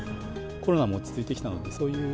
コロナも落ち着いてきたので、そういう、